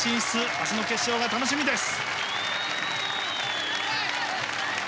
明日の決勝が楽しみです！